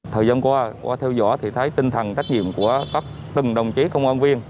thời gian qua qua theo dõi thì thấy tinh thần trách nhiệm của các từng đồng chí công an viên